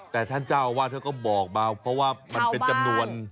แต่ท่านเจ้าอาวาสท่านก็บอกมาเพราะว่ามันเป็นจำนวน